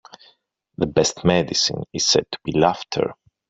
The best medicine is said to be laughter.